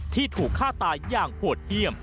ที่ถูกฆ่าตายอย่างโหดเยี่ยม